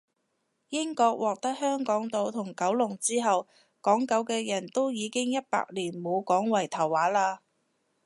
英國獲得香港島同九龍之後，港九嘅人都已經一百年冇講圍頭話喇